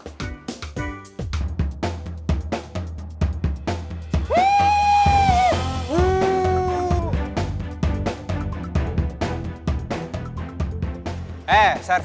kenapa ulan roman pemata kedap kedip